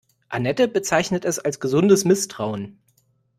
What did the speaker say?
Anette bezeichnet es als gesundes Misstrauen.